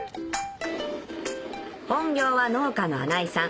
本業は農家の穴井さん